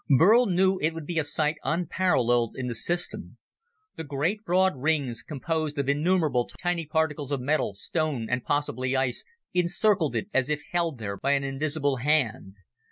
Burl knew it would be a sight unparalleled in the system. The great broad rings, composed of innumerable tiny particles of metal, stone, and possibly ice, encircled it as if held there by an invisible hand.